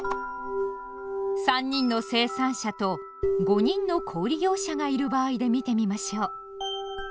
３人の生産者と５人の小売業者がいる場合で見てみましょう。